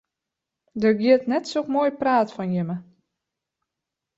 Der giet net sok moai praat fan jimme.